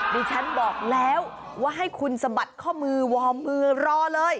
ดิฉันบอกแล้วว่าให้คุณสะบัดข้อมือวอร์มมือรอเลย